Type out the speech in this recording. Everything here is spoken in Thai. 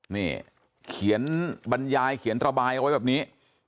นี่เขียนบรรยายเขียนระบายเอาไว้แบบนี้